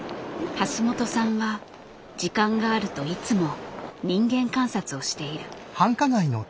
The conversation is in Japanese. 橋本さんは時間があるといつも人間観察をしている。